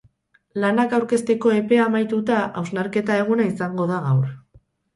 Lanak aurkezteko epea amaituta, hausnarketa eguna izango da gaur.